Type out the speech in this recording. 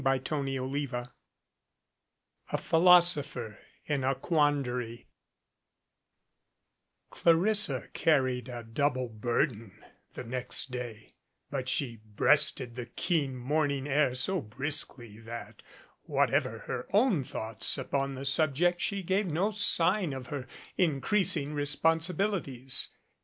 CHAPTER XVIII A PHILOSOPHER IN A QUANDARY LARISSA carried a double burden the next day, S , but she breasted the keen morning air so briskly that whatever her own thoughts upon the sub ject she gave no sign of her increasing responsibilities.